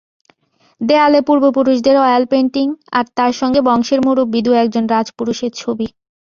দেয়ালে পূর্বপুরুষদের অয়েলপেন্টিং, আর তার সঙ্গে বংশের মুরুব্বি দু-একজন রাজপুরুষের ছবি।